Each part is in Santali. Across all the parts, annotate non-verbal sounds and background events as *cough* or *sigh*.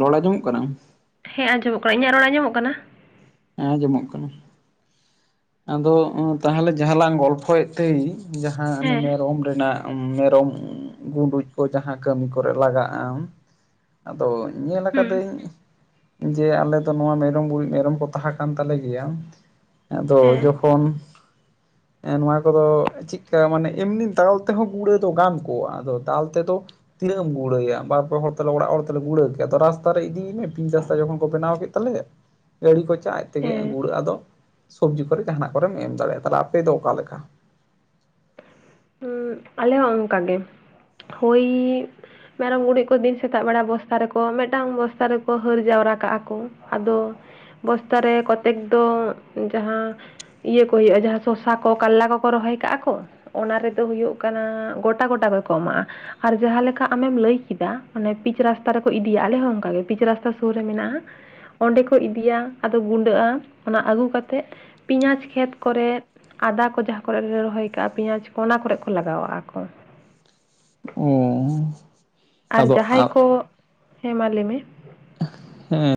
ᱨᱚᱲ ᱟᱸᱡᱚᱢᱚᱜ ᱠᱟᱱᱟ᱾ ᱦᱮᱸ ᱟᱸᱡᱚᱢᱚᱜ ᱠᱟᱱᱟ ᱤᱧᱟᱜ ᱨᱚᱲ ᱟᱸᱡᱚᱢᱚᱜ ᱠᱟᱱᱟ᱾ ᱟᱸᱡᱚᱢᱚᱜ ᱠᱟᱱᱟ᱾ ᱟᱫᱚ ᱛᱟᱦᱞᱮ ᱡᱟᱸᱦᱟ ᱞᱟᱝ ᱜᱚᱞᱯᱷᱚᱭᱮᱫ ᱛᱟᱸᱦᱤᱡ ᱡᱟᱸᱦᱟ ᱚᱱᱮ ᱦᱮᱸ ᱢᱮᱨᱚᱢ ᱨᱮᱱᱟᱜ ᱢᱮᱨᱚᱢ᱾ ᱜᱩᱸᱰᱩᱡ ᱠᱚ ᱡᱟᱦᱟᱸ ᱠᱟᱹᱢᱤ ᱠᱚᱨᱮ ᱞᱟᱜᱟᱜ-ᱟ᱾ ᱟᱫᱚ ᱧᱮᱞ ᱦᱩᱸ ᱠᱟᱫᱟᱹᱧ᱾ ᱡᱮ ᱟᱞᱮ ᱫᱚ ᱱᱚᱣᱟ ᱢᱮᱨᱚᱢ ᱜᱩᱨᱤᱜ ᱢᱮᱨᱚᱢ ᱠᱚ ᱛᱟᱸᱦᱮ ᱠᱟᱱ ᱛᱟᱞᱮ ᱜᱮᱭᱟ᱾ ᱛᱚ ᱦᱮᱸ ᱡᱚᱠᱷᱚᱱ᱾ ᱱᱚᱣᱟ ᱠᱚᱫᱚ ᱪᱮᱜᱠᱟ ᱢᱟᱱᱮ ᱮᱢᱱᱤ ᱫᱟᱞ ᱛᱮᱦᱚᱸ ᱜᱩᱲᱟᱹ ᱫᱚ ᱜᱟᱱ ᱠᱚᱜ-ᱟ ᱟᱫᱚ ᱫᱟᱞ ᱛᱮᱫᱚ᱾ ᱛᱤᱱᱟᱹᱜ ᱮᱢ ᱜᱩᱲᱟᱹᱭᱟ ᱵᱟᱨ ᱯᱮ ᱦᱚᱲ ᱛᱮᱞᱮ ᱚᱲᱟᱜ ᱦᱚᱲ ᱛᱮᱞᱮ ᱜᱩᱲᱟᱹᱣ ᱠᱮᱜ-ᱟ ᱟᱫᱚ ᱨᱟᱥᱛᱟ ᱨᱮ ᱤᱫᱤᱭ ᱢᱮ ᱯᱤᱪ ᱨᱟᱥᱛᱟ ᱡᱚᱠᱷᱚᱱ ᱠᱚ ᱵᱮᱱᱟᱣ ᱠᱮᱫ᱾ ᱛᱟᱞᱮ ᱜᱟᱹᱲᱤ ᱠᱚ ᱪᱟᱜ-ᱟ ᱟᱡ ᱛᱮᱜᱮ ᱦᱮᱸ ᱜᱩᱲᱟᱹᱜ-ᱟ ᱟ‌ᱫᱚ᱾ ᱥᱚᱵᱽᱡᱤ ᱠᱚᱨᱮ ᱡᱟᱸᱦᱟᱱᱟᱜ ᱠᱚᱨᱮᱢ ᱮᱢ ᱫᱟᱲᱮᱜ-ᱟ ᱛᱟᱦᱞᱮ ᱟᱯᱮ ᱫᱚ ᱚᱠᱟ ᱞᱮᱠᱟ᱾ ᱩᱸᱜ ᱟᱞᱮ ᱦᱚᱸ ᱚᱱᱠᱟᱜᱮ ᱦᱳᱭ᱾ ᱢᱮᱨᱚᱢ ᱜᱩᱨᱤᱡᱽ ᱠᱚ ᱫᱤᱱ ᱥᱮᱛᱟᱜ ᱵᱮᱲᱟ ᱵᱚᱥᱛᱟ ᱨᱮᱠᱚ ᱢᱮᱴᱟᱝ ᱵᱚᱥᱛᱟ ᱨᱮᱠᱚ ᱦᱟᱹᱨ ᱡᱟᱣᱨᱟ ᱠᱟᱜ-ᱟ ᱠᱩ ᱟᱫᱚ᱾ ᱵᱚᱥᱛᱟ ᱨᱮ ᱠᱚᱛᱮᱠ ᱫᱚ ᱡᱟᱸᱦᱟ᱾ ᱤᱭᱟᱹ ᱠᱚ ᱦᱳᱭᱳᱜ-ᱟ ᱡᱟᱸᱦᱟ ᱥᱚᱥᱟ ᱠᱚ ᱠᱟᱞᱞᱟ ᱠᱚᱠᱚ ᱨᱚᱦᱚᱭ ᱠᱟᱜ-ᱟ ᱠᱚ᱾ ᱚᱱᱟ ᱨᱮᱫᱚ ᱦᱳᱭᱳᱜ ᱠᱟᱱᱟ ᱜᱚᱴᱟ ᱜᱚᱴᱟ ᱜᱮᱠᱚ ᱮᱢᱟᱜ-ᱟ᱾ ᱟᱨ ᱡᱟᱸᱦᱟ ᱞᱮᱠᱟ ᱟᱢᱮᱢ ᱞᱟᱹᱭ ᱠᱮᱫᱟ ᱚᱱᱮ ᱯᱤᱪ ᱨᱟᱥᱛᱟ ᱨᱮᱠᱚ ᱤᱫᱤᱭᱟ ᱟᱞᱮ ᱦᱚᱸ ᱚᱱᱠᱟᱜᱮ ᱯᱤᱪ ᱨᱟᱥᱛᱟ ᱥᱳᱨ ᱨᱮ ᱢᱮᱱᱟᱜ-ᱟ᱾ ᱚᱸᱰᱮ ᱠᱚ ᱤᱫᱤᱭᱟ ᱟᱫᱚ ᱜᱩᱸᱰᱟᱹᱜ-ᱟ ᱚᱱᱟ ᱟᱜᱩ ᱠᱟᱛᱮᱜ᱾ ᱯᱤᱸᱭᱟᱡᱽ ᱠᱷᱮᱛ ᱠᱚᱨᱮᱫ ᱟᱫᱟ ᱠᱚ ᱡᱟᱸᱦᱟ ᱠᱚᱨᱮ ᱞᱮ ᱨᱚᱦᱚᱭ ᱠᱟᱜ-ᱟ ᱯᱮᱸᱭᱟᱡᱽ᱾ ᱚᱱᱟ ᱠᱚᱨᱮᱜ ᱠᱚ ᱞᱟᱜᱟᱣᱟᱜ-ᱟ ᱠᱚ᱾ ᱚᱻ ᱟᱨ ᱡᱟᱸᱦᱟᱭ ᱠᱚ ᱦᱮᱸ ᱢᱟ ᱞᱟᱹᱭᱢᱮ᱾ ᱦᱩᱸ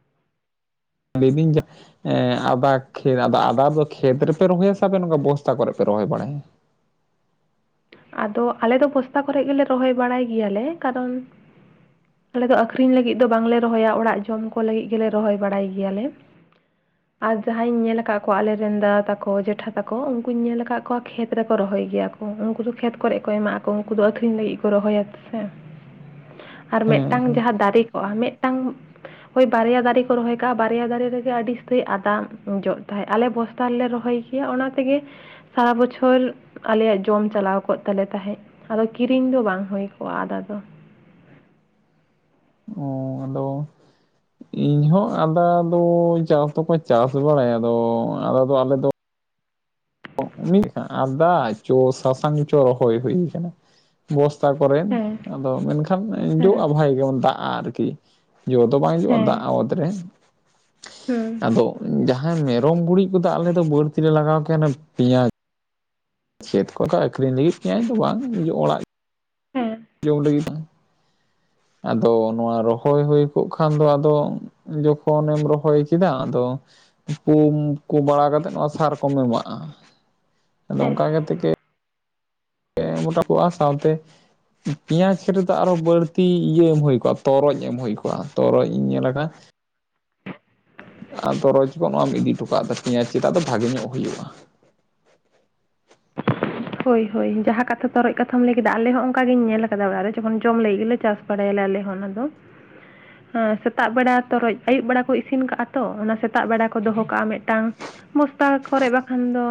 ᱞᱟᱹᱭ ᱫᱤᱧ ᱡᱟ ᱮᱸ ᱟᱫᱟ *unintelligible* ᱟᱫᱚ ᱟᱫᱟ ᱫᱚ ᱠᱷᱮᱛ ᱨᱮᱯᱮ ᱨᱚᱦᱚᱭᱟ ᱥᱮ ᱱᱚᱝᱠᱟ ᱵᱚᱥᱛᱟ ᱠᱚᱨᱮ ᱯᱮ ᱨᱚᱦᱚᱭ ᱵᱟᱲᱟᱭᱟ? ᱟᱫᱚ ᱟᱞᱮ ᱫᱚ ᱵᱚᱥᱛᱟ ᱠᱚᱨᱮᱜ ᱜᱮᱞᱮ ᱨᱚᱦᱚᱭ ᱵᱟᱲᱟᱭ ᱜᱮᱭᱟᱞᱮ ᱠᱟᱨᱚᱱ᱾ ᱟᱞᱮ ᱫᱚ ᱟᱹᱠᱷᱨᱤᱧ ᱞᱟᱹᱜᱤᱜ ᱫᱚ ᱵᱟᱝᱞᱮ ᱨᱚᱦᱚᱭᱟ ᱚᱲᱟᱜ ᱡᱚᱢ ᱠᱚ ᱞᱟᱹᱜᱤᱜ ᱜᱮᱞᱮ ᱨᱚᱦᱚᱭ ᱵᱟᱲᱟᱭ ᱜᱮᱭᱟᱞᱮ᱾ *inaudible* ᱟᱨ ᱡᱟᱸᱦᱟᱧ ᱧᱮᱞ ᱠᱟᱜ ᱠᱚᱣᱟ ᱟᱞᱮᱨᱮᱱ ᱫᱟᱫᱟ ᱛᱟᱠᱚ ᱡᱮᱴᱷᱟ ᱛᱟᱠᱚ ᱩᱱᱠᱩᱧ ᱧᱮᱞ ᱠᱟᱜ ᱠᱚᱣᱟ ᱠᱷᱮᱛ ᱨᱮᱠᱚ ᱨᱚᱦᱚᱭ ᱜᱮᱭᱟ ᱠᱚ᱾ ᱩᱱᱠᱩ ᱫᱚ ᱠᱷᱮᱛ ᱠᱚᱨᱮᱜ ᱠᱚ ᱮᱢᱟᱜ ᱟᱠᱚ ᱩᱱᱠᱩ ᱫᱚ ᱟᱹᱷᱨᱤᱧ ᱞᱟᱹᱜᱤᱜ ᱠᱚ ᱨᱚᱦᱚᱭᱟ ᱥᱮ᱾ ᱟᱨ ᱦᱮᱸ ᱢᱮᱜᱴᱟᱝ ᱦᱮᱸ ᱡᱟᱸᱦᱟ ᱫᱟᱨᱮ ᱠᱚᱜ-ᱟ ᱢᱮᱜᱴᱟᱝ᱾ ᱦᱳᱭ ᱵᱟᱨᱭᱟ ᱫᱟᱨᱮ ᱠᱚ ᱨᱚᱦᱚᱭ ᱠᱟᱜ-ᱟ ᱵᱟᱨᱭᱟ ᱫᱟᱨᱮ ᱨᱮᱜᱮ ᱟᱹᱰᱤ ᱩᱥᱛᱟᱹᱭ ᱟᱫᱟ ᱡᱚᱜ ᱛᱟᱦᱮᱜ ᱟᱞᱮ ᱵᱚᱥ ᱛᱟ ᱞᱮ ᱨᱚᱦᱚᱭ ᱠᱮᱭᱟ ᱚᱱᱟ ᱛᱮᱜᱮ ᱥᱟᱨᱟ ᱵᱚᱪᱷᱚᱨ ᱟᱞᱮᱭᱟᱜ ᱡᱚᱢ ᱪᱟᱞᱟᱣ᱾ ᱠᱚᱜ ᱛᱟᱞᱮ ᱛᱟᱸᱦᱮᱜ ᱟᱫᱚ ᱠᱤᱨᱤᱧ ᱫᱚ ᱵᱟᱝ ᱦᱳᱭ ᱠᱚᱜ-ᱟ ᱟᱫᱟ ᱫᱚ᱾ ᱚᱻ ᱟᱫᱚᱼᱼ ᱤᱧ ᱦᱚᱸᱚᱸ ᱟᱫ ᱫᱚ ᱪᱟᱥ ᱫᱚᱠᱚ ᱪᱟᱥ ᱵᱟᱲᱟᱭᱟ ᱟᱫᱚ ᱟ ᱫᱚ ᱟᱞᱮᱫᱚᱼᱼ ᱩᱱᱤ ᱟᱫᱟ ᱪᱚ ᱥᱟᱥᱟᱝ ᱪᱚ ᱨᱚᱦᱚᱭ ᱦᱩᱭ ᱠᱟᱱᱟ᱾ ᱵᱚᱥᱛᱟ ᱠᱚᱨᱮᱱ ᱦᱮᱸ ᱟᱫᱚ ᱢᱮᱱᱠᱷᱟᱱ ᱦᱮᱸ ᱡᱚᱜᱼᱟ ᱵᱷᱟᱭ ᱜᱮᱢᱚᱱ ᱫᱟᱜᱜᱼᱟ ᱟᱨᱠᱤ᱾ ᱡᱚ ᱫᱚ ᱵᱟᱝ ᱡᱩᱜᱼᱟ ᱦᱮᱸ ᱫᱟᱜ ᱟᱣᱟᱚᱛ ᱨᱮ ᱦᱩᱸ ᱟᱫᱚ ᱡᱟᱦᱟᱸᱼᱼ ᱦᱮᱸ ᱢᱮᱨᱚᱢ ᱜᱩᱨᱤᱡ ᱠᱚᱫᱚ ᱟᱞᱮ ᱫᱚ ᱵᱟᱹᱲᱛᱤ ᱞᱮᱮ ᱞᱟᱜᱟᱣ ᱠᱮᱭᱟᱚᱱᱮ ᱯᱮᱸᱭᱟᱡᱽᱼᱼ ᱪᱮᱫ ᱠᱚᱠᱚ ᱟᱹᱠᱷᱨᱤᱧ ᱞᱟᱹᱜᱤᱫ ᱛᱟᱹ ᱤᱧᱫᱚ ᱵᱟᱝ ᱱ ᱚᱲᱟᱜᱼᱼ ᱦᱮᱸᱼᱼ ᱡᱚᱢ ᱞᱟᱹᱜᱤᱫ ᱟᱫᱚ ᱱᱚᱣᱟ ᱨᱚᱦᱚᱭ ᱦᱩᱭ ᱠᱚᱜ ᱠᱷᱟᱱ ᱫᱚ ᱟᱫᱚᱼᱼ ᱡᱚᱠᱷᱚᱱᱮᱢ ᱨᱚᱦᱚᱭ ᱠᱮᱫᱟ, ᱟᱨᱚᱼᱼ ᱯᱩ ᱠᱚ ᱵᱟᱲᱟ ᱠᱟᱛᱮᱮᱫ ᱱᱚᱣᱟ ᱥᱟᱨᱠᱚᱢ ᱮᱢᱟᱜᱼᱟ᱾ *inaudible* ᱟᱫᱚ ᱚᱱᱠᱟ ᱠᱟᱛᱮ ᱜᱮ ᱢᱚᱴᱟ ᱯᱣᱟ ᱥᱟᱶᱛᱮ ᱯᱮᱸᱭᱟᱡᱽ ᱨᱮᱫᱚ ᱟᱨᱚ ᱵᱟᱹᱲᱛᱤ ᱤᱭᱟᱹ ᱮᱢ ᱦᱩᱭ ᱠᱚᱜᱼᱟ ᱛᱚᱨᱚᱡ ᱮᱢ ᱦᱩᱭ ᱠᱚᱜᱼᱟ ᱛᱚᱨᱚᱚᱡ ᱤᱧ ᱧᱮᱞ ᱟᱠᱟᱫ᱾ ᱟᱫᱚᱨᱚᱚᱡ ᱠᱚ ᱱᱚᱣᱟᱢ ᱤᱫᱤ ᱦᱚᱴᱚᱟᱜ ᱛᱟ ᱯᱮᱭᱟ ᱪᱮᱫᱟᱜ ᱫᱚ ᱵᱷᱟᱜᱮ ᱧᱚᱜ ᱦᱩᱭᱩᱜᱼᱟ᱾ ᱦᱳᱭ ᱦᱳᱭ ᱡᱟᱦᱟᱸ ᱠᱟᱛᱷᱟ ᱛᱚᱨᱚᱡ ᱦᱩᱭ ᱦᱩᱭ ᱦᱚᱭ ᱡᱟᱦᱟ ᱛᱚᱨᱚᱡ ᱠᱟᱛᱷᱟᱢ ᱞᱟᱹᱭ ᱠᱮᱫᱟ ᱟᱞᱮ ᱦᱚᱸ ᱚᱱᱠᱟ ᱜᱮᱤᱧ ᱧᱮᱞ ᱟᱠᱟᱫᱟ ᱚᱲᱟᱜ ᱨᱮ ᱡᱚᱠᱷᱚᱱ ᱡᱚᱢ ᱞᱟᱹᱜᱤᱫ ᱜᱮᱞ ᱪᱟᱥᱼᱼ ᱵᱟᱲᱟᱭᱟᱞᱞᱮ ᱦᱚᱸ ᱚᱱᱟ ᱫᱚ᱾ ᱥᱮᱛᱟᱜ ᱵᱮᱲᱟ ᱛᱚᱨᱚᱡ ᱟᱹᱭᱩᱵ ᱵᱮᱲᱟ ᱠᱚ ᱤᱥᱤᱱ ᱠᱟᱜᱼᱟ ᱛᱚ ᱚᱱᱟ ᱥᱮᱛᱟᱜ ᱵᱮᱲᱟ ᱠᱚ ᱫᱚᱦᱚ ᱠᱟᱜᱼᱟ ᱢᱤᱫ ᱴᱟᱝᱼᱼ ᱵᱚᱥᱛᱟ ᱠᱚᱨᱮ ᱵᱟᱠᱷᱟᱱ ᱫᱚ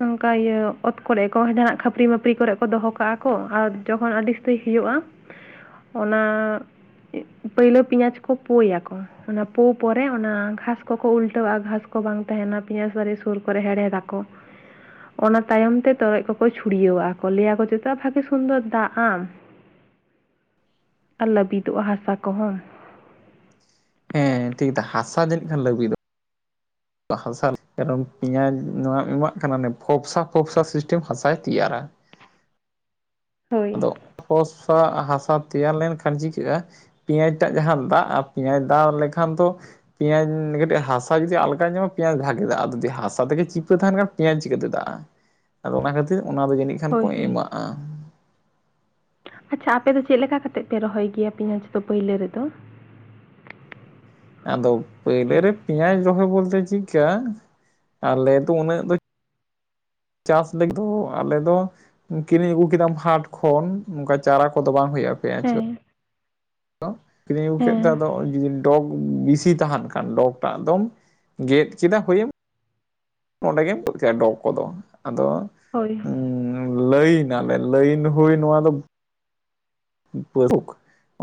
ᱱᱚᱝᱠᱟ ᱤᱭᱟᱹ ᱚᱛ ᱠᱚᱨᱮᱼᱼ ᱡᱟᱦᱱᱟᱜ ᱠᱷᱟᱹᱯᱟᱹᱨ ᱢᱟᱯᱟᱹᱨ ᱠᱚᱨᱮ ᱠᱚ ᱫᱚᱦᱚ ᱠᱟᱜᱼᱟ ᱠᱚ ᱟᱨ ᱡᱚᱠᱷᱚᱱ ᱟᱹᱰᱤ ᱥᱛᱨᱤ ᱦᱩᱭᱩᱜᱼᱟ᱾ ᱚᱱᱟᱼᱼ ᱯᱳᱭᱞᱳ ᱯᱮᱸᱭᱟᱡᱽ ᱠᱚ ᱯᱳᱭᱟᱠᱚ ᱚᱱᱟ ᱯᱳ ᱯᱚᱨᱮ ᱚᱱᱟ ᱜᱷᱟᱥ ᱠᱚᱠᱚ ᱩᱞᱴᱟᱹᱼᱟ᱾ ᱜᱷᱟᱥᱼᱼ ᱵᱟᱝ ᱛᱟᱦᱮᱱᱟ ᱯᱮᱸᱭᱟᱥ ᱵᱟᱨᱤ ᱥᱩᱨ ᱠᱚᱨᱮ ᱦᱮᱲᱦᱮᱫᱟᱠᱚ ᱚᱱᱟ ᱛᱟᱭᱚᱢ ᱛᱮᱼᱼ ᱛᱚᱨᱚᱡ ᱠᱚᱠᱚ ᱪᱷᱩᱲᱭᱟᱹᱣᱟ ᱠᱚ ᱞᱟᱹᱭᱟᱠᱚ ᱪᱮᱫᱚ ᱵᱷᱟᱜᱮ ᱥᱩᱱᱫᱚᱨ ᱫᱟᱜᱼᱟ ᱟᱨ ᱞᱟᱹᱵᱤᱫᱚᱜᱼᱟ ᱦᱟᱥᱟ ᱠᱚᱦᱚᱸᱼᱼ ᱦᱮᱸ ᱴᱷᱤᱠᱟ ᱦᱟᱥᱟ ᱡᱟᱹᱱᱤᱡ ᱠᱷᱟᱱ ᱞᱩᱭᱮᱫ ᱫᱚᱜᱼᱼ *inaudible* ᱦᱟᱥᱟᱢ ᱯᱮᱸᱭᱟᱡᱽ ᱱᱚᱣᱟ ᱮᱢᱟᱜ ᱠᱟᱱᱟ ᱯᱷᱚᱯᱥᱟ ᱯᱷᱚᱯᱥᱟ ᱥᱤᱥᱴᱮᱢ ᱦᱟᱥᱟᱭ ᱛᱮᱭᱟᱨᱟ᱾ ᱦᱳᱭ ᱟᱫᱚᱯᱚᱥᱟ ᱦᱟᱥᱟ ᱛᱮᱭᱟᱨ ᱞᱮᱱᱠᱷᱟᱱ ᱪᱤᱠᱟᱹᱜᱼᱟ? ᱯᱮᱸᱭᱟᱡᱽ ᱴᱟᱜ ᱡᱟᱦᱟᱸ ᱫᱟᱜᱼᱟ ᱯᱮᱸᱭᱟᱡᱽ ᱫᱟᱜ ᱞᱮᱠᱷᱟᱱ ᱫᱚ ᱯᱮᱸᱭᱟᱡᱽ ᱠᱟᱹᱴᱤᱡ ᱦᱟᱥᱟ ᱡᱩᱫᱤ ᱟᱞᱠᱟᱧ ᱧᱟᱢᱟ ᱯᱮᱸᱭᱟᱡᱽ ᱵᱷᱟᱜᱮ ᱫᱟᱜᱼᱟ ᱟᱨ ᱡᱩᱫᱤ ᱦᱟᱥᱟ ᱛᱮᱜᱮ ᱪᱤᱯᱟᱹ ᱛᱟᱦᱮᱱᱼᱼ ᱯᱮᱸᱭᱟᱡᱽ ᱪᱤᱠᱟᱹᱛᱮ ᱫᱟᱜᱼᱟ ᱟᱫᱚ ᱚᱱᱟ ᱠᱷᱟᱹᱛᱤᱨ ᱚᱱᱟ ᱫᱚ ᱡᱟᱹᱱᱤᱡ ᱠᱷᱟᱱ ᱦᱳᱭ ᱠᱚ ᱦᱳᱭ ᱮᱢᱟᱜᱼᱟ᱾ ᱟᱪᱪᱷᱟ ᱟᱯᱮ ᱫᱚ ᱪᱮᱫ ᱞᱮᱠᱟ ᱠᱟ ᱠᱟᱛᱮᱮᱫ ᱯᱮ ᱨᱚᱦᱚᱭ ᱜᱮᱭᱟ ᱯᱮᱸᱭᱟᱡᱽ ᱫᱚ ᱯᱳᱭᱞᱳ ᱨᱮᱫᱚ᱾ ᱟᱫᱚ ᱯᱳᱭᱞᱳ ᱨᱮ ᱯᱮᱸᱭᱟᱡᱽ ᱨᱚᱦᱚᱭ ᱵᱚᱞᱛᱮ ᱪᱮᱫᱠᱟ ᱟᱞᱮ ᱫᱚ ᱩᱱᱟᱹᱜ ᱫᱚᱼᱼ ᱪᱟᱥ ᱞᱟᱹᱜᱤᱫ ᱫᱚ ᱟᱞᱮ ᱫᱚ ᱠᱤᱨᱤᱧ ᱟᱹᱜᱩ ᱠᱮᱫᱟᱢ ᱦᱟᱴ ᱠᱷᱚᱱ ᱚᱱᱠᱟ ᱪᱟᱨᱟ ᱠᱚᱫᱚ ᱵᱟᱝ ᱦ ᱦᱩᱭᱩᱜᱼᱟ ᱯᱮᱸᱭᱟᱪ ᱦᱮᱸ ᱠᱤᱨᱤᱧ ᱟᱹᱜᱩ ᱠᱮᱫ ᱛᱮ ᱦᱮᱸ ᱟᱫᱚ ᱡᱩᱫᱤ ᱰᱚᱜᱽ ᱵᱮᱥᱤ ᱛᱟᱦᱮᱱ ᱠᱷᱟᱱ ᱰᱚᱜᱽ ᱴᱟᱜ ᱫᱚᱼᱼ ᱜᱮᱫ ᱠᱮᱫᱟ ᱦᱩᱭᱮᱢᱼᱼ ᱱᱚᱸᱰᱮ ᱜᱮᱢ ᱜᱚᱡ ᱠᱮᱭᱟ ᱰᱚᱜ ᱠᱚᱫᱚ ᱟᱫᱚᱼᱼ ᱦᱳᱭ ᱞᱟᱹᱭᱱᱟᱞᱮ ᱞᱟᱹᱭᱤᱱ ᱦᱩᱭ ᱱᱚᱣᱟ ᱫᱚᱼᱼ ᱯᱟᱹᱨᱩᱠ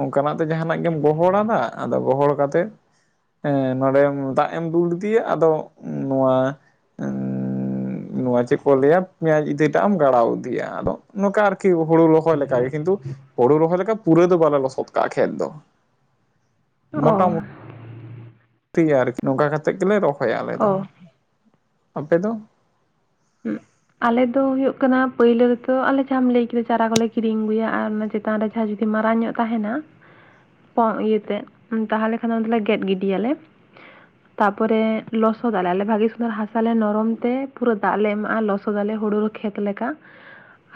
ᱚᱱᱠᱟᱱᱟᱜ ᱛᱮ ᱡᱟᱦᱟᱱᱟᱜ ᱜᱮᱢ ᱜᱚᱦᱚᱲᱟᱫᱟ ᱟᱫᱚ ᱜᱚᱦᱚᱲ ᱠᱟᱛᱮᱮᱫᱼᱼ ᱦᱸ ᱱᱚᱸᱰᱮ ᱫᱟᱜ ᱮᱢ ᱫᱩᱞ ᱞᱮᱫᱤᱫᱮᱤᱭᱟ ᱟᱫᱚ ᱱᱚᱣᱟᱼᱼ ᱱᱚᱣᱟ ᱪᱮᱫ ᱠᱚ ᱞᱟᱹᱭᱟ ᱯᱮᱸᱭᱟᱡ ᱤᱫᱤᱴᱟᱜ ᱮᱢ ᱜᱟᱲᱟᱣ ᱤᱫᱤᱭᱟ ᱟᱫᱚ ᱱᱚᱝᱠᱟ ᱟᱨᱠᱤ ᱦᱩᱲᱩ ᱞᱚᱦᱚᱭ ᱞᱮᱠᱟᱼᱼ ᱚᱱᱠᱟ ᱜᱮ ᱠᱤᱱᱛᱩ ᱦᱩᱲᱩ ᱨᱚᱦᱚᱭ ᱞᱮᱠᱟ ᱯᱩᱨᱟᱹ ᱫᱚ ᱵᱟᱞᱮ ᱞᱚᱥᱚᱫ ᱠᱟᱜ-ᱟ ᱠᱷᱮᱛ ᱫᱚ᱾ ᱚ ᱴᱷᱤᱠ ᱜᱮᱭᱟ ᱟᱨᱠᱤ ᱱᱚᱝᱠᱟ ᱠᱟᱛᱮᱫ ᱜᱮᱞᱮ ᱨᱚᱦᱚᱭᱟ ᱟᱞᱮ ᱫᱚ᱾ ᱚ ᱟᱯᱮ ᱫᱚ? ᱦᱩᱸ ᱟᱞᱮ ᱫᱚ ᱦᱩᱭᱩᱜ ᱠᱟᱱᱟ ᱯᱩᱭᱞᱟᱹ ᱨᱮᱛᱚ ᱟᱞᱮ ᱡᱟᱦᱟᱸᱟᱢ ᱞᱟᱹᱭ ᱠᱮᱫᱟ ᱪᱟᱨᱟ ᱠᱚᱞᱮ ᱠᱤᱨᱤᱧ ᱟᱹᱜᱩᱭᱟ ᱟᱨ ᱚᱱᱟ ᱪᱮᱛᱟᱱ ᱨᱮ ᱡᱟᱦᱟᱸ ᱡᱩᱫᱤ ᱢᱟᱨᱟᱝ ᱧᱚᱜ ᱛᱟᱦᱮᱱᱟ ᱯᱚᱝ ᱤᱭᱟᱹ ᱛᱮᱫ, ᱛᱟᱦᱚᱞᱮ ᱠᱷᱟᱱ ᱚᱱᱟ ᱫᱚᱞᱮ ᱜᱮᱫ ᱜᱤᱰᱤᱭᱟᱟᱞᱮ᱾ ᱛᱟᱯᱚᱨᱮ ᱞᱚᱥᱚᱫᱟᱞᱮ ᱟᱞᱮ ᱵᱷᱟᱜᱤ ᱥᱩᱱᱫᱚᱨ ᱦᱟᱥᱟᱞᱮ ᱱᱚᱨᱚᱢ ᱛᱮ ᱯᱩᱨᱟᱹ ᱫᱟᱜ ᱞᱮ ᱮᱢᱟᱜ-ᱟ ᱞᱚᱥᱚᱫ ᱞᱚᱥᱚᱫ ᱟᱞᱮ ᱦᱩᱲᱩ ᱠᱷᱮᱛ ᱞᱮᱠᱟ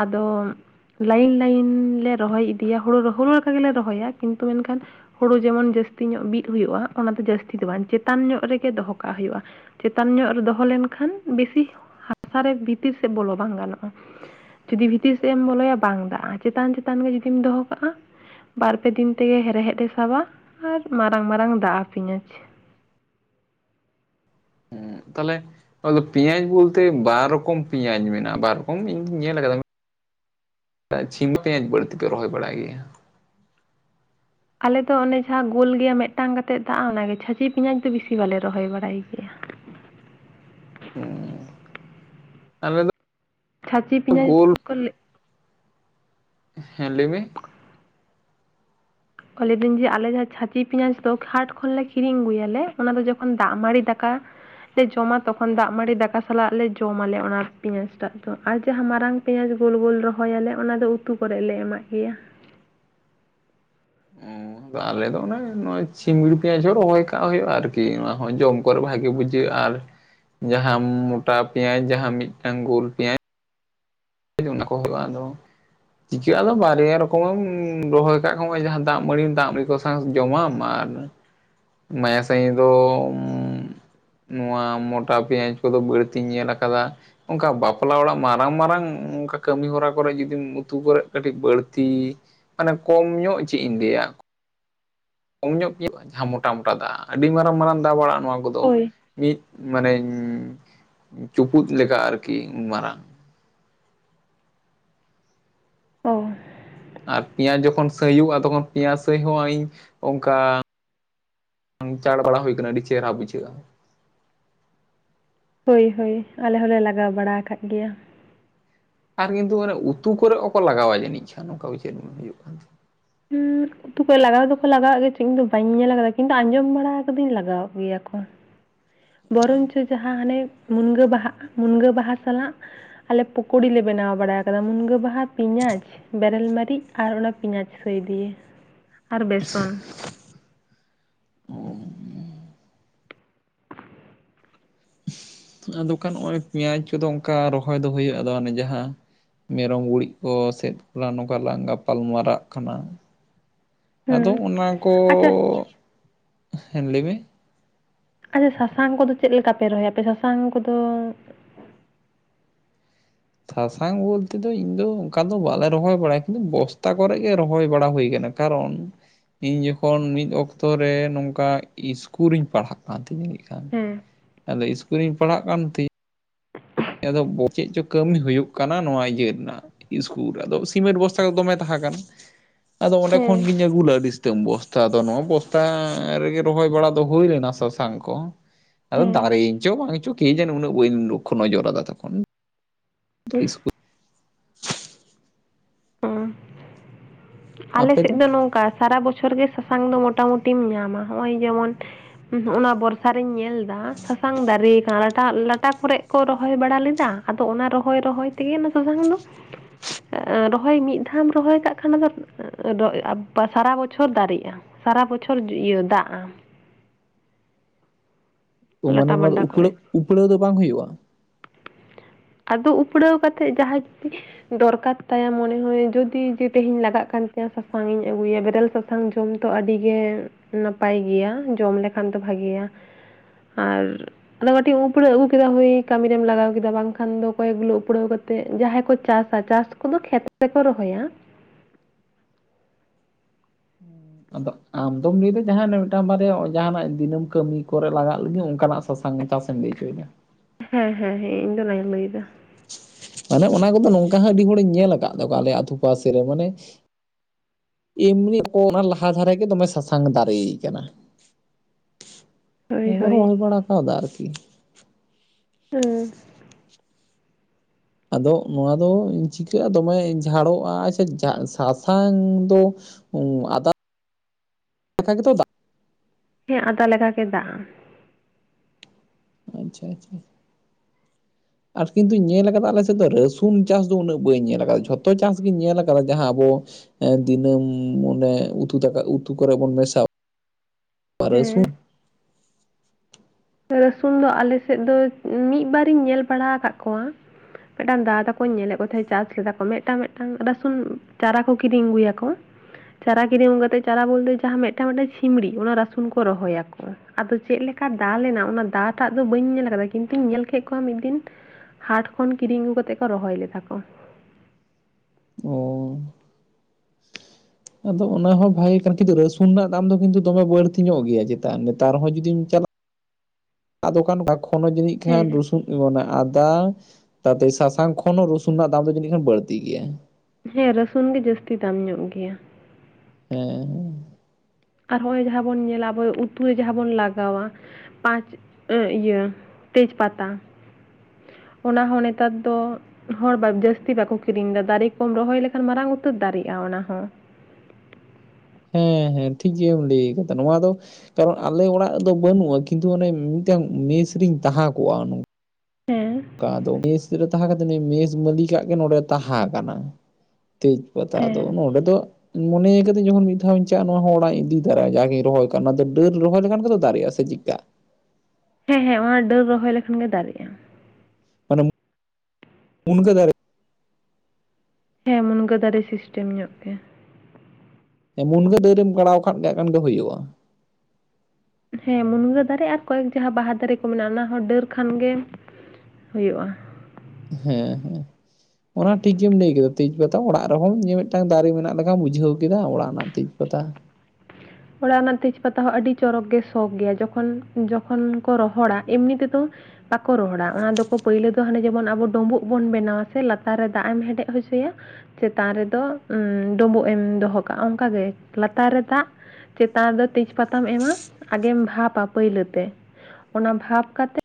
ᱟᱫᱚ ᱞᱟᱭᱤᱱ ᱞᱟᱭᱤᱱ ᱞᱮ ᱨᱚᱦᱚᱭ ᱤᱫᱤᱭᱟ ᱦᱩᱲᱩ, ᱦᱩᱲᱩ ᱞᱮᱠᱟ ᱜᱮᱞᱮ ᱨᱚᱦᱚᱭᱟ ᱠᱤᱱᱛᱩ ᱢᱮᱱᱠᱷᱟᱱ ᱦᱩᱲᱩ ᱡᱮᱢᱚᱱ ᱡᱟᱹᱥᱛᱤ ᱧᱚᱜ ᱵᱤᱫ ᱦᱩᱭᱩᱜᱼᱟ ᱚᱱᱟ ᱫᱚ ᱡᱟᱹᱥᱛᱤ ᱫᱚ ᱵᱟᱝ, ᱪᱮᱛᱟᱱ ᱧᱚᱜ ᱨᱮᱜᱮ ᱫᱚᱦᱚ ᱠᱟᱜ ᱦᱩᱭᱩᱜᱼᱟ᱾ ᱪᱮᱛᱟᱱ ᱧᱚᱜ ᱨᱮ ᱫᱚᱦᱚ ᱞᱮᱱᱠᱷᱟᱱ ᱵᱮᱥᱤ ᱦᱟᱥᱟᱨᱮ ᱵᱷᱤᱛᱤᱨ ᱥᱮᱫ ᱵᱚᱞᱚ ᱵᱟᱝ ᱜᱟᱱᱚᱜᱼᱟ᱾ ᱡᱩᱫᱤ ᱵᱷᱤᱛᱤᱨ ᱥᱮᱫ ᱮᱢ ᱵᱚᱞᱚᱭᱟ ᱵᱟᱝ ᱫᱟᱜᱼᱟ ᱪᱮᱛᱟᱱ ᱪᱮᱛᱟᱱ ᱜᱮ ᱡᱩᱫᱤᱢ ᱫᱚᱦᱚ ᱠᱟᱜᱼᱟ ᱵᱟᱨ ᱯᱮ ᱫᱤᱱ ᱛᱮᱜᱮ ᱨᱮᱦᱮᱫ ᱮ ᱥᱟᱵᱟ ᱟᱨ ᱢᱟᱨᱟᱝ ᱢᱟᱨᱟᱝ ᱫᱟᱜᱼᱟ ᱯᱮᱸᱭᱟᱡᱽ᱾ ᱛᱟᱦᱚᱞᱮ ᱟᱫᱚ ᱯᱮᱸᱭᱟᱡᱽ ᱵᱚᱞᱛᱮ ᱵᱟᱨ ᱨᱚᱠᱚᱢ ᱯᱮᱸᱭᱟᱡᱽ ᱢᱮᱱᱟᱜᱼᱟ ᱵᱟᱨ ᱨᱚᱠᱚᱢ ᱤᱧ ᱧᱮᱞ ᱟᱠᱟᱫᱟ᱾ *unintelligible* ᱵᱟᱲᱛᱤ ᱯᱮ ᱨᱚᱦᱚᱭ ᱵᱟᱲᱟᱟᱭ ᱜᱮᱭᱟ ᱟᱞᱮ ᱫᱚ ᱚᱱᱮ ᱡᱟᱦᱟᱸ ᱜᱳᱞ ᱜᱮᱭᱟ ᱢᱤᱫᱴᱟᱝ ᱠᱟᱛᱮᱫ ᱫᱟᱜᱼᱟ ᱚᱱᱟᱜᱮ ᱪᱷᱟᱹᱪᱤ ᱯᱮᱸᱭᱟᱡᱽ ᱫᱚ ᱵᱤᱥᱤ ᱵᱟᱞᱮ ᱨᱚᱦᱚᱭ ᱵᱟᱲᱟᱭ ᱜᱮᱭᱟ᱾ ᱦᱩᱸ ᱟᱞᱮ ᱫᱚ ᱪᱷᱟᱹᱪᱤ ᱯᱮᱸᱭᱟᱡᱽ ᱜᱳᱞ ᱫᱚᱠᱚ ᱦᱮᱸ ᱞᱟᱹᱭ ᱵᱤᱱ? *inaudible* ᱚ ᱞᱟᱹᱭᱫᱟᱹᱧ ᱡᱮ ᱟᱞᱮ ᱡᱟᱦᱟᱸ ᱪᱷᱟᱹᱪᱤ ᱯᱮᱸᱭᱟᱡᱽ ᱫᱚ ᱦᱟᱴ ᱠᱷᱚᱱᱞᱮ ᱠᱤᱨᱤᱧ ᱟᱹᱜᱩᱭ ᱟᱞᱮ ᱚᱱᱟ ᱫᱚ ᱡᱚᱠᱷᱚᱱ ᱫᱟᱜ ᱢᱟᱹᱲᱤ ᱫᱟᱠᱟ ᱞᱮ ᱡᱚᱢᱟ ᱛᱚᱠᱷᱚᱱ ᱫᱟᱜ ᱢᱟᱲᱤ ᱫᱟᱠᱟ ᱥᱟᱞᱟᱜ ᱞᱮ ᱡᱚᱢᱟᱞᱮ ᱚᱱᱟ ᱯᱮᱸᱭᱟᱡᱽ ᱴᱟᱜ ᱫᱚ ᱟᱨ ᱡᱟᱦᱟᱸ ᱢᱟᱨᱟᱝ ᱯᱮᱸᱭᱟᱡᱽ ᱜᱳᱞ ᱜᱳᱞ ᱨᱚᱦᱚᱭᱟᱞᱮ ᱚᱱᱟᱫᱚ ᱩᱛᱩ ᱠᱚᱨᱮ ᱞᱮ ᱮᱢᱟᱜ ᱜᱮᱭᱟ᱾ *inaudible* ᱚ ᱟᱞᱮ ᱫᱚ ᱚᱱᱟ ᱱᱚᱜ-ᱚᱭ ᱪᱷᱤᱢᱲ ᱯᱮᱸᱭᱟᱡᱽ ᱦᱚᱸ ᱨᱚᱦᱚᱭ ᱠᱟᱜ ᱦᱩᱭᱩᱜᱼᱟ ᱟᱨᱠᱤ ᱚᱱᱟ ᱦᱚᱸ ᱡᱚᱢ ᱠᱚᱨᱮ ᱵᱷᱟᱜᱮ ᱵᱩᱡᱷᱟᱹᱜᱼᱟ ᱟᱨ ᱡᱟᱦᱟᱸ ᱢᱚᱴᱟ ᱯᱮᱸᱭᱟᱡᱽ ᱡᱟᱦᱟᱸ ᱢᱤᱴᱟᱝ ᱜᱳᱞ ᱯᱮᱸᱭᱟᱡᱽ ᱚᱱᱟ ᱠᱚ ᱦᱳᱭᱳᱜᱼᱟ ᱟᱫᱚ ᱪᱤᱠᱟᱹᱜ ᱟᱫᱚ ᱵᱟᱨᱭᱟ ᱨᱚᱠᱚᱢᱮᱢ ᱨᱚᱦᱚᱭ ᱠᱟᱜ ᱠᱷᱟᱱ ᱱᱚᱜ-ᱚᱭ ᱡᱟᱦᱟᱸ ᱫᱟᱜ ᱢᱟᱹᱲᱤ ᱫᱟᱜ ᱢᱟᱲᱤ ᱠᱚ ᱥᱟᱥ ᱡᱚᱢᱟᱢ ᱟᱨ ᱢᱟᱭᱟ ᱥᱟᱺᱦᱤᱡ ᱫᱚ ᱱᱚᱣᱟ ᱢᱚᱴᱟ ᱯᱮᱸᱭᱟᱡᱽ ᱠᱚᱫᱚ ᱵᱟᱹᱲᱛᱤᱧ ᱧᱮᱞ ᱠᱟᱫᱟ᱾ ᱚᱱᱠᱟ ᱵᱟᱯᱞᱟ ᱚᱲᱟᱜ ᱢᱟᱨᱟᱝ ᱢᱟᱨᱟᱝ ᱱᱚᱝᱠᱟ ᱠᱟᱹᱢᱤ ᱦᱚᱨᱟ ᱠᱚᱨᱮᱜ ᱡᱩᱫᱤᱢ ᱩᱛᱩ ᱠᱚᱨᱮᱜ ᱠᱟᱹᱴᱤᱡ ᱵᱟᱹᱲᱛᱤ ᱢᱟᱱᱮ ᱠᱚᱢ ᱧᱚᱜ ᱪᱮᱫ ᱤᱧ ᱞᱟᱹᱭᱟ ᱠᱚᱢ ᱧᱚᱜ ᱧᱮᱞᱚᱜᱼᱟ ᱡᱟᱦᱟᱸ ᱢᱚᱴᱟ ᱢᱚᱴᱟ ᱫᱟᱜ ᱟᱹᱰᱤ ᱢᱟᱨᱟᱝ ᱢᱟᱨᱟᱝ ᱫᱟᱜ ᱵᱟᱲᱟᱜ ᱱᱚᱣᱟ ᱠᱚᱫᱚ᱾ ᱦᱳᱭ ᱢᱤᱫ ᱢᱟᱱᱮᱧ ᱪᱩᱯᱩᱫ ᱞᱮᱠᱟ ᱟᱨᱠᱤ ᱩᱱᱢᱟᱨᱟᱝ᱾ ᱚ ᱟᱨ ᱯᱮᱸᱭᱟᱡᱽ ᱡᱚᱠᱷᱚᱱ ᱥᱟᱹᱭᱳᱼᱟ ᱛᱚᱠᱷᱚᱱ ᱯᱮᱸᱭᱟᱡᱽ ᱥᱟᱹᱭ ᱦᱚᱸ ᱤᱧ ᱚᱱᱠᱟ ᱪᱟᱲ ᱵᱟᱲᱟ ᱦᱳᱭ ᱠᱟᱱᱟ ᱟᱹᱰᱤ ᱪᱮᱦᱨᱟ ᱵᱩᱡᱷᱟᱹᱜᱼᱟ᱾ ᱦᱳᱭ ᱦᱳᱭ ᱟᱞᱮ ᱦᱚᱸᱞᱮ ᱞᱟᱜᱟᱣ ᱵᱟᱲᱟ ᱟᱠᱟ ᱜᱮᱭᱟ᱾ ᱟᱨ ᱠᱤᱱᱛᱩ ᱢᱟᱱᱮ ᱩᱛᱩ ᱠᱚᱨᱮ ᱦᱚᱸᱠᱚ ᱞᱟᱜᱟᱣᱟ ᱡᱟᱹᱱᱤᱡ ᱠᱷᱟᱱ ᱱᱚᱝᱠᱟ ᱩᱭᱦᱟᱹᱨ ᱦᱩᱭᱩᱜ ᱠᱟᱱᱛᱤᱧᱟ᱾ ᱦᱩᱸ ᱩᱛᱩ ᱠᱚᱨᱮ ᱞᱟᱜᱟᱣ ᱫᱚᱠᱚ ᱞᱟᱜᱟᱣᱟᱜ ᱜᱮᱭᱟ ᱪᱚ ᱤᱧ ᱫᱚ ᱵᱟᱹᱧ ᱧᱮᱞ ᱟᱠᱟᱫᱟ ᱠᱤᱱᱛᱩ ᱟᱸᱡᱚᱢ ᱵᱟᱲᱟ ᱠᱟᱹᱫᱟᱹᱧ ᱞᱟᱜᱟᱣᱟᱜ ᱜᱮᱭᱟ ᱠᱚ᱾ ᱵᱚᱨᱚᱝ ᱪᱚ ᱡᱟᱦᱟᱸ ᱦᱟᱱᱮ ᱢᱩᱱᱜᱟᱹ ᱵᱟᱦᱟᱜ-ᱟ, ᱢᱩᱱᱜᱟᱹ ᱵᱟᱦᱟ ᱥᱟᱞᱟᱜ ᱟᱞᱮ ᱯᱚᱠᱚᱲᱤ ᱞᱮ ᱵᱮᱱᱟᱣ ᱵᱟᱲᱟ ᱠᱟᱫᱟ ᱢᱩᱱᱜᱟᱹ ᱵᱟᱦᱟ, ᱯᱮᱸᱭᱟᱡᱽ ᱵᱮᱨᱮᱞ ᱢᱟᱨᱟᱹᱨᱤᱪ ᱟᱨ ᱚᱱᱟ ᱯᱮᱸᱭᱟᱡᱽ ᱥᱟᱭ ᱫᱤᱭᱟ ᱟᱨ ᱵᱮᱥᱚᱱ᱾ ᱛᱟᱦᱮᱸ ᱟᱫᱚ ᱠᱷᱟᱱ ᱱᱚᱜᱼᱚᱭ ᱯᱮᱸᱭᱟᱡᱽ ᱠᱚᱫᱚ ᱚᱱᱠᱟ ᱨᱚᱦᱚᱭ ᱫᱚ ᱦᱳᱭᱳᱜᱼᱟᱫᱚ ᱚᱱᱮ ᱡᱟᱦᱟᱸ ᱢᱮᱨᱚᱢ ᱜᱩᱨᱤᱡ ᱠᱚ ᱥᱮᱫ ᱠᱚᱲᱟ ᱱᱚᱝᱠᱟᱞᱝ ᱜᱟᱯᱟᱞ ᱢᱟᱨᱟᱜ ᱠᱟᱱᱟ᱾ ᱟᱫᱚ ᱦᱩᱸ ᱚᱱᱟ ᱠᱚ ᱟᱪᱪᱷᱟ ᱦᱮᱸ ᱞᱟᱹᱭ ᱢᱮ᱾ ᱟᱪᱪᱷᱟ ᱥᱟᱥᱟᱝ ᱠᱚᱫᱚ ᱪᱮᱫ ᱞᱮᱠᱟᱯᱮ ᱨᱚᱦᱚᱭᱟᱯᱮ ᱟᱯᱮ ᱥᱟᱥᱟᱝ ᱠᱚᱫᱚ᱾ ᱥᱟᱥᱟᱝ ᱵᱚᱞᱛᱮ ᱫᱚ ᱤᱧ ᱫᱚ ᱚᱱᱠᱟ ᱫᱚ ᱵᱟᱞᱮ ᱨᱚᱦᱚᱭ ᱵᱟᱲᱟᱭᱟ ᱠᱤᱱᱛᱩ ᱵᱚᱥᱛᱟ ᱠᱚᱨᱮ ᱜᱮ ᱨᱚᱦᱚᱭ ᱵᱟᱲᱟ ᱦᱳᱭ ᱠᱟᱱᱟ᱾ ᱠᱟᱨᱚᱱ ᱤᱧ ᱡᱚᱠᱷᱚᱱ ᱢᱤᱫ ᱚᱠᱛᱚ ᱨᱮ ᱱᱚᱝᱠᱟ ᱤᱥᱠᱩᱞᱨᱮᱧ ᱯᱟᱲᱦᱟᱜ ᱠᱟᱱ ᱛᱟᱦᱮᱸᱤᱧ᱾ ᱠᱟᱱ᱾ ᱦᱮᱸ ᱟᱫᱚ ᱤᱥᱠᱩᱞ ᱨᱮᱧ ᱯᱟᱲᱦᱟᱜ ᱠᱟᱱ ᱛᱮ᱾ ᱟᱫᱚ ᱵᱚ ᱪᱮᱫ ᱪᱚ ᱠᱟᱹᱢᱤ ᱦᱳᱭᱳᱜ ᱠᱟᱱᱟ ᱱᱚᱣᱟ ᱤᱭᱟᱹ ᱨᱮᱱᱟᱜ᱾ ᱤᱥᱠᱩᱨ ᱟᱫᱚ ᱥᱤᱢᱮᱱᱴ ᱵᱚᱥᱛᱟ ᱠᱚ ᱫᱚᱢᱮ ᱛᱟᱦᱮᱸ ᱠᱟᱱ ᱟᱫᱚ ᱚᱸᱰᱮ ᱦᱮᱸ ᱠᱷᱚᱱ ᱜᱮᱧ ᱟᱹᱜᱩ ᱞᱟᱜ-ᱟ ᱟᱹᱰᱤ ᱥᱛᱟᱹᱝ ᱵᱚᱥᱛᱟ ᱟᱫᱚ ᱱᱚᱣᱟ ᱵᱚᱥᱛᱟ ᱨᱮᱜᱮ ᱨᱚᱦᱚᱭ ᱵᱟᱲᱟ ᱫᱚ ᱦᱩᱭ ᱞᱮᱱᱟ ᱥᱟᱥ ᱥᱟᱥᱟᱝ ᱠᱚ ᱟᱫᱚ᱾ ᱦᱮᱸ ᱫᱟᱨᱮᱭᱮᱱᱪᱚ ᱵᱟᱝᱪᱚ ᱠᱮ ᱠᱮᱡᱟᱱᱮ ᱩᱱᱟᱜ ᱵᱟᱧ ᱞᱳᱠᱷᱚ ᱱᱚᱡᱚᱨ ᱟᱫᱟ ᱛᱠᱷᱚᱱ ᱫᱚ᱾ ᱫᱟ ᱩᱥᱡᱩ ᱚ ᱟᱞᱮ ᱥᱮᱫ ᱫᱚ ᱱᱚᱝᱠᱟ ᱥᱟᱨᱟ ᱵᱚᱪᱷᱚᱨ ᱜᱮ ᱥᱟᱥᱟᱝ ᱫᱚ ᱢᱳᱚᱴᱟᱢᱩᱴᱤᱢ ᱧᱟᱢᱟ ᱦᱚᱸᱜᱼᱚᱭ ᱡᱮᱢᱚᱱ ᱦᱩᱦ ᱵᱚᱨᱥᱟ ᱨᱤᱧ ᱧᱮᱞ ᱫᱟ ᱥᱟᱥᱟᱝ ᱫᱟᱨᱮ ᱠᱟᱱᱟ ᱞᱟᱴᱟ ᱞᱟᱴᱟ ᱠᱚᱨᱮᱜ ᱠᱚ ᱨᱚᱦᱚᱭ ᱵᱟᱲᱟ ᱞᱮᱫᱟ ᱟᱫᱚ ᱚᱱᱟ ᱨᱚᱦᱚᱭ ᱨᱚᱦᱚᱭ ᱛᱮᱜᱮ ᱚᱱᱟ ᱥᱟᱥᱟᱝ ᱫᱚ ᱮᱸ ᱢᱤᱫ ᱫᱷᱟᱣᱢ ᱨᱚᱦᱚᱭ ᱠᱟᱜ ᱠᱷᱟᱱ ᱟᱫᱚ ᱟᱫᱚ-ᱮ ᱟᱵ ᱥᱟᱨᱟ ᱵᱚᱪᱷᱚᱨ ᱫᱟᱨᱮᱜᱼᱟ᱾ ᱥᱟᱨᱟ ᱵᱚᱪᱷᱚᱨ ᱤᱭᱟ ᱫᱟᱜᱼᱟ᱾ ᱚ ᱢᱟᱱᱮ ᱞᱟᱴᱟ ᱱᱚᱣᱟ ᱫᱚ ᱢᱟᱰᱟ ᱩᱯᱲᱟ ᱠᱚᱨᱮᱫ ᱩᱯᱲᱟᱹᱣ ᱫᱚ ᱵᱟᱝ ᱦᱩᱭᱩᱜᱼᱟ᱾ ᱟᱫᱚ ᱩᱯᱲᱟᱹᱣ ᱠᱟᱛᱮᱜ ᱡᱟᱦᱟᱸᱭ ᱡᱩᱫᱤ ᱫᱚᱨᱠᱟᱨ ᱛᱟᱭᱟ ᱢᱚᱱᱮ ᱦᱚᱭ ᱡᱩᱫᱤ ᱡᱮ ᱛᱤᱦᱤᱧ ᱞᱟᱜᱟᱜ ᱠᱟᱱ ᱛᱟᱧᱟ ᱥᱟᱥᱟᱝ ᱤᱧ ᱟᱹᱜᱩᱭᱟ ᱵᱮᱨᱮᱞ ᱥᱟᱥ ᱥᱟᱝ ᱡᱚᱢ ᱛᱚ ᱟᱹᱰᱤ ᱜᱮ ᱱᱟᱯᱟᱭ ᱜᱮᱭᱟ ᱡᱚᱢ ᱞᱮᱠᱷᱟᱱ ᱛᱚ ᱵᱷᱟᱜᱤᱭᱟ᱾ ᱟᱨ ᱟᱫᱚ ᱠᱟᱹᱴᱤᱢ ᱩᱯᱲᱟᱹᱣ ᱟᱹᱜᱩ ᱠᱮᱫᱟ ᱦᱳᱭ ᱠᱟᱹᱢᱤ ᱨᱮᱢ ᱞᱟᱜᱟᱣ ᱠᱮᱫᱟ ᱵᱟᱝᱠᱷᱟᱱ ᱫᱚ ᱠᱚᱭᱮᱠ ᱜᱩᱞᱳ ᱩᱯᱲᱟᱹᱣ ᱠᱟᱛᱮ ᱛᱮ ᱡᱟᱦᱟᱸᱭ ᱠᱚ ᱪᱟᱥᱟ ᱪᱟᱥ ᱠᱚᱫᱚ ᱠᱷᱮᱛ ᱨᱮᱠᱚ ᱨᱚᱦᱚᱭᱟ᱾ ᱟᱫᱚ ᱟᱢ ᱫᱚᱢ ᱞᱟᱹᱭ ᱫᱟ ᱡᱟᱦᱟᱸ ᱚᱱᱮ ᱢᱤᱫᱴᱟᱝ ᱵᱟᱨᱭᱟ ᱡᱟᱦᱟᱱᱟᱜ ᱫᱤᱱᱟᱹᱢ ᱠᱟᱹᱢᱤ ᱠᱚᱨᱮ ᱞᱟᱜᱟᱜ ᱞᱤᱧᱟᱹ ᱚᱱᱠᱟᱱᱟᱜ ᱥᱟ ᱥᱟᱥᱟᱝ ᱪᱟᱥ ᱮᱢ ᱞᱟᱹᱭ ᱦᱚᱪᱚᱭ ᱫᱟ᱾ ᱦᱮᱸ ᱦᱮᱸ ᱦᱮᱸ ᱤᱧ ᱫᱚ ᱚᱱᱟᱧ ᱞᱟᱹᱭ ᱫᱟ᱾ ᱢᱟᱱᱮ ᱚᱱᱟ ᱠᱚᱫᱚ ᱱᱚᱝᱠᱟ ᱦᱚᱸ ᱦᱚ, ᱸ ᱟᱹᱰᱤ ᱦᱚᱲᱤᱧ ᱧᱮᱞ ᱟᱠᱟᱫ ᱛᱟᱠᱚᱣᱟ ᱟᱞᱮᱭᱟᱜ ᱟᱛᱩ ᱯᱟᱥᱮ ᱨᱮ ᱢᱟᱱᱮ ᱮᱢᱱᱤ ᱠᱚ ᱚᱱᱟ ᱞᱟᱦᱟ ᱫᱷᱟᱨᱮ ᱜᱮ ᱫᱚᱢᱮ ᱥᱟᱥᱟᱝ ᱫᱟᱨᱮᱭ ᱠᱟᱱᱟ᱾ *inaudible* ᱦᱳᱭ ᱨᱚᱦᱚᱭ ᱵᱟᱲᱟ ᱠᱟᱣᱫᱟ ᱟᱨᱠᱤ᱾ ᱦᱩᱸ᱾ ᱟᱫᱚ ᱱᱚᱣᱟ ᱫᱚ ᱪᱤᱠᱟᱹᱜᱼᱟ ᱫᱚᱢᱮ ᱡᱷᱟᱲᱚᱜᱼᱟᱭ ᱥᱮ ᱡᱟ ᱥᱟᱥᱟᱝ ᱫᱚ ᱩᱸ ᱟᱫᱟ ᱞᱮᱠᱟ ᱜᱮᱛᱚ ᱫᱟᱜ ᱦᱮᱸ ᱟᱫᱟ ᱞᱮᱠᱟ ᱜᱮ ᱫᱟᱜ-ᱟ᱾ ᱟᱪᱪᱷᱟ ᱟᱪᱪᱷᱟ᱾ *inaudible* ᱟᱨ ᱠᱤᱱᱛᱩᱧ ᱧᱮᱞ ᱠᱟᱫᱟ ᱟᱞᱮ ᱥᱮᱫ ᱫᱚ ᱨᱟᱹᱥᱩᱱ ᱪᱟᱥ ᱫᱚ ᱩᱱᱟᱹᱜ ᱵᱟᱹᱧ ᱧᱮᱞ ᱠᱟᱫᱟ᱾ ᱡᱷᱚᱛᱚ ᱪᱟᱥ ᱜᱤᱧ ᱧᱮᱞ ᱠᱟᱫᱟ ᱡᱟᱦᱟᱸ ᱟᱵᱚ ᱮᱸ ᱫᱤᱱᱟᱹᱢ ᱩᱱᱮ ᱩᱛᱩ ᱫᱟᱠᱟ ᱩᱛᱩ ᱠᱚᱨᱮ ᱵᱚᱱ ᱢᱮᱥᱟᱣ ᱯᱟ ᱦᱮᱸ ᱨᱟᱹᱥᱩᱱ ᱨᱟᱹᱥᱩᱱ ᱫᱚ ᱟᱞᱮ ᱥᱮᱫ ᱫᱚ ᱢᱤᱫ-ᱵᱟᱨᱤᱧ ᱧᱮᱞ ᱵᱟᱲᱟᱣ ᱟᱠᱟᱫ ᱠᱚᱣᱟ᱾ ᱢᱤᱫᱴᱟᱝ ᱫᱟᱫᱟ ᱛᱟᱠᱚᱧ ᱧᱮᱞᱮᱫ ᱠᱚ ᱛᱟᱦᱮᱸᱫ ᱪᱟᱥ ᱠᱮᱫᱟ ᱠᱚ ᱢᱤᱫᱴᱟᱝ ᱢᱤᱫᱴᱟᱝ ᱨᱟᱹᱥᱩᱱ ᱪᱟᱨᱟ ᱠᱩ ᱠᱤᱨᱤᱧ ᱜᱩᱭᱟ ᱠᱚ᱾ ᱪᱟᱨᱟ ᱠᱤᱨᱤᱧ ᱟᱹᱜᱩ ᱠᱟᱛᱮᱜ ᱪᱟᱨᱟ ᱵᱚᱞᱛᱮ ᱡᱟᱦᱟᱸ ᱢᱤᱫᱴᱟᱝ ᱢᱤᱫᱴᱟᱝ ᱪᱷᱤᱢᱲᱤ ᱚᱱᱟ ᱨᱟᱹᱥᱩᱱ ᱠᱚ ᱨᱚᱦᱚᱭᱟᱠᱚ᱾ ᱟᱫᱚ ᱪᱮᱫ ᱞᱮᱠᱟ ᱫᱟ ᱞᱮᱱᱟ ᱚᱱᱟ ᱫᱟ ᱴᱟᱜ ᱫᱚ ᱵᱟᱹᱧ ᱧᱮᱞ ᱟᱠᱟᱫᱟ ᱠᱤᱱᱛᱩᱧ ᱧᱮᱞ ᱠᱮᱫ ᱠᱚᱣᱟ ᱢᱤᱫ ᱫᱤᱱ ᱦᱟᱴ ᱠᱷᱚᱱ ᱠᱤᱨᱤᱧ ᱟᱜᱩ ᱠᱟᱛᱮᱫ ᱠᱚ ᱨᱚᱦᱚᱭ ᱞᱮᱫᱟ ᱠᱚ᱾ ᱚᱻ᱾ ᱟᱫᱚ ᱚᱱᱟ ᱦᱚᱸ ᱵᱷᱟᱜᱮ ᱠᱟᱱ ᱠᱤᱱᱛᱩ ᱨᱟᱹᱥᱩᱱ ᱨᱮᱱᱟᱜ ᱫᱟᱢ ᱫᱚ ᱠᱤᱱᱛᱩ ᱫᱚᱢᱮ ᱵᱟᱹᱲᱛᱤ ᱧᱚᱜ ᱜᱮᱭᱟ ᱪᱮᱛᱟ ᱱᱮᱛᱟᱨ ᱦᱚᱸ ᱡᱩᱫᱤᱢ ᱪᱟᱞᱟᱜ *inaudible* ᱟᱫᱚ ᱠᱷᱟᱱ *inaudible* ᱠᱷᱚᱱᱚ ᱡᱟᱱᱤᱡ ‌ᱠᱷᱟᱱ ᱦᱮᱸ *inaudible* *inaudible* ᱚᱱᱟ ᱟᱫᱟ ᱛᱟᱛᱮᱣ ᱥᱟᱥᱟᱝ ᱠᱷᱚᱱ ᱦᱚᱸ ᱨᱚᱥᱩᱱ ᱨᱮᱱᱟᱜ ᱫᱟᱢ ᱫᱚ ᱡᱟᱹᱱᱤᱡ ᱠᱷᱟᱱ ᱵᱟᱹᱲᱛᱤ ᱜᱮᱭᱟ᱾ ᱦᱮᱸ ᱨᱟᱹᱥᱩᱱ ᱜᱮ ᱡᱟᱹᱥᱛᱤ ᱫᱟᱢ ᱧᱚᱜ ᱜᱮᱭᱟ᱾ ᱦᱮᱸ᱾ ᱟᱨ ᱦᱚᱸᱜᱼᱚᱭ ᱡᱟᱦᱟᱸ ᱵᱚᱱ ᱧᱮᱞᱟ ᱟᱵᱚ ᱩᱛᱩ ᱨᱮ ᱡᱟᱦᱟᱸ ᱵᱚᱱ ᱞᱟᱜᱟᱣᱟ, ᱯᱟᱸᱪ ᱤᱭᱟᱹ ᱛᱮᱡᱽ ᱯᱟᱛᱟ᱾ ᱚᱱᱟ ᱦᱚᱸ ᱱᱮᱛᱟᱨ ᱫᱚ ᱦᱚᱲ ᱡᱟᱹᱥᱛᱤ ᱵᱟᱠᱚ ᱠᱤᱨᱤᱧ ᱮᱫᱟ, ᱫᱟᱨᱮ ᱠᱚᱢ ᱨᱚᱦᱚᱭ ᱞᱮᱠᱷᱟᱱ ᱢᱟᱨᱟᱝ ᱩᱛᱟᱹᱨ ᱫᱟᱨᱮᱜᱼᱟ ᱚᱱᱟ ᱦᱚᱸ᱾ ᱦᱮᱸ ᱦᱮᱸ ᱴᱷᱤᱠ ᱜᱮᱭᱮᱢ ᱞᱟᱹᱭ ᱠᱟᱫᱟ, ᱱᱚᱣᱟ ᱫᱚ ᱠᱟᱨᱚᱱ ᱟᱞᱮ ᱚᱲᱟᱜ ᱨᱮᱫᱚ ᱵᱟᱹᱱᱩᱜᱼᱟ ᱠᱤᱱᱛᱩ ᱚᱱᱮ ᱢᱤᱫᱴᱟᱝ ᱢᱮᱥ ᱨᱤᱧ ᱛᱟᱦᱟᱸ ᱠᱚᱜᱼᱟ ᱩᱱᱩ ᱦᱮᱸ᱾ ᱠᱟ ᱟᱫᱚ ᱢᱮᱥ ᱨᱮ ᱛᱟᱦᱮᱸ ᱠᱟᱛᱮᱜ ᱱᱩᱭ ᱢᱮᱥ ᱢᱟᱹᱞᱤᱠᱟᱜ ᱜᱮ ᱱᱚᱰᱮ ᱛᱟᱦᱟᱸ ᱠᱟᱱᱟ, ᱛᱮᱡᱽ ᱯᱟᱛᱟ ᱦᱮᱸ ᱟᱫᱚ, ᱱᱚᱰᱮ ᱫᱚ ᱤᱧ ᱢᱚᱱᱮᱭ ᱠᱟᱹᱫᱟᱹᱧ ᱡᱚᱠᱷᱚᱱ ᱢᱤᱫ ᱫᱷᱟᱣ ᱤᱧ ᱪᱟᱜ ᱱᱚᱣᱟ ᱦᱚᱸ ᱚᱲᱟᱜ ᱤᱧ ᱤᱫᱤᱣ ᱛᱚᱨᱟᱭᱟ ᱡᱟᱜᱮᱧ ᱨᱚᱦᱚᱭ ᱠᱟᱜᱼᱟ, ᱱᱚᱣᱟ ᱫᱚ ᱰᱟᱹᱨ ᱨᱚᱦᱚᱭ ᱞᱮᱠᱷᱟᱱ ᱜᱮᱛᱚ ᱫᱟᱨᱮᱜᱼᱟ ᱥᱮ ᱪᱮᱜᱠᱟ? ᱦᱮᱸ ᱦᱮᱸ ᱚᱱᱟ ᱰᱟᱹᱨ ᱨᱚᱦᱚᱭ ᱞᱮᱠᱷᱟᱱ ᱜᱮ ᱫᱟᱨᱮᱜᱼᱟ᱾ ᱟᱫᱚᱢ ᱢᱩᱱᱜᱟᱹ ᱫᱟᱨᱮ ᱦᱮᱸ ᱢᱩᱱᱜᱟᱹ ᱫᱟᱨᱮ ᱥᱤᱥᱴᱮᱢ ᱧᱚᱜ ᱜᱮ᱾ ᱦᱮᱸ ᱢᱩᱱᱜᱟᱹ ᱰᱟᱹᱨᱮᱢ ᱜᱟᱲᱟᱣ ᱠᱷᱟᱫ *unintelligible* ᱠᱷᱟᱱ ᱜᱮ ᱦᱩᱭᱩᱜᱼᱟ᱾ ᱦᱮᱸ ᱢᱩᱱᱜᱟᱹ ᱫᱟᱨᱮ ᱟᱨ ᱠᱚᱭᱮᱠ ᱡᱟᱦᱟᱸ ᱵᱟᱦᱟ ᱫᱟᱨᱮ ᱠᱚ ᱢᱮᱱᱟᱜᱼᱟ ᱚᱱᱟ ᱦᱚᱸ ᱰᱟᱹᱨ ᱠᱷᱟᱱ ᱜᱮ, ᱦᱩᱭᱩᱜᱼᱟ᱾ ᱦᱮᱸ ᱦᱮᱸ᱾ ᱚᱱᱟ ᱴᱷᱤᱠ ᱜᱮᱢ ᱞᱟᱹᱭ ᱠᱮᱫᱟ, ᱛᱮᱡᱽ ᱯᱟᱛᱟ ᱚᱲᱟᱜ ᱨᱮᱦᱚᱸ ᱱᱤᱭᱟᱹ ᱢᱤᱫᱴᱟᱝ ᱫᱟᱨᱮ ᱢᱮᱱᱟᱜ ᱞᱮᱠᱟᱢ ᱵᱩᱡᱷᱟᱹᱣ ᱠᱮᱫᱟ ᱚᱲᱟᱜ ᱨᱮᱱᱟᱜ ᱛᱮᱡ ᱯᱟᱛᱟ᱾ ᱚᱲᱟᱜ ᱨᱮᱱᱟᱜ ᱛᱮᱡᱽ ᱯᱟᱛᱟ ᱦᱚᱸ ᱟᱹᱰᱤ ᱪᱚᱨᱚᱠ ᱜᱮ ᱥᱚ ᱜᱮᱭᱟ ᱡᱚᱠᱷᱚᱱ, ᱡᱚᱠᱷᱚᱱ ᱠᱚ ᱨᱚᱦᱚᱲᱟ, ᱮᱢᱱᱤ ᱛᱮᱫᱚ ᱵᱟᱠᱚ ᱨᱚᱦᱚᱲᱟ, ᱚᱱᱟ ᱫᱚᱠᱚ ᱯᱟᱹᱭᱞᱟᱹ ᱫᱚ ᱦᱟᱱᱮ ᱡᱮᱢᱚᱱ ᱟᱵᱚ ᱰᱳᱢᱵᱳᱜ ᱵᱚᱱ ᱵᱮᱱᱟᱣᱟ ᱥᱮ ᱞᱟᱛᱟᱨ ᱨᱮ ᱫᱟᱜ ᱮᱢ ᱦᱮᱰᱮᱡ ᱦᱚᱪᱚᱭᱟ, ᱪᱮᱛᱟᱱ ᱨᱮᱫᱚ ᱰᱳᱢᱵᱳᱜ ᱮᱢ ᱫᱚᱦᱚ ᱠᱟᱜᱼᱟ᱾ ᱚᱝᱠᱟᱜᱮ ᱞᱟᱛᱟᱨ ᱨᱮ ᱫᱟᱜ ᱪᱮᱛᱟᱱ ᱫᱚ ᱛᱮᱡᱽ ᱯᱟᱛᱟᱢ ᱮᱢᱟ ᱟᱜᱮᱢ ᱵᱷᱟᱯᱼᱟ ᱯᱟᱹᱭᱞᱟᱹ ᱛᱮ, ᱚᱱᱟ ᱵᱷᱟᱵ ᱠᱟᱛᱮ